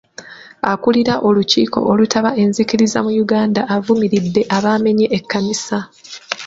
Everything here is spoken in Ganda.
Akulira olukiiko olutaba enzikiriza mu Uganda avumiridde abaamenye ekkanisa.